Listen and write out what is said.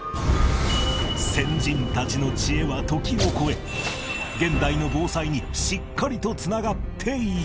先人たちの知恵は時を超え現代の防災にしっかりと繋がっていた